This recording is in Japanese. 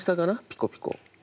ピコピコ。